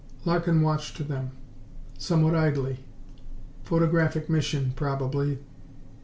Larkin watched them, somewhat idly. Photographic mission, probably.